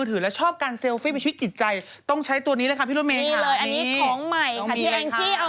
แต่อันนี้ต้องเชื่อเลยค่ะ